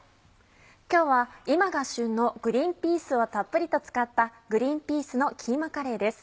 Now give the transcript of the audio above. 今日は今が旬のグリンピースをたっぷりと使った「グリンピースのキーマカレー」です。